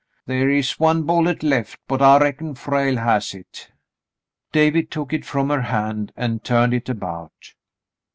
The' is one bullet left, but I reckon Frale has hit." David took it from her hand and turned it about.